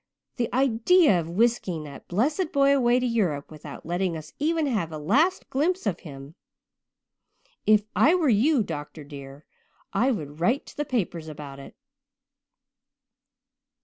The idea of whisking that blessed boy away to Europe without letting us even have a last glimpse of him! If I were you, doctor dear, I would write to the papers about it."